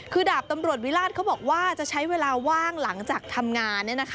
คือดาบตำรวจวิราชเขาบอกว่าจะใช้เวลาว่างหลังจากทำงาน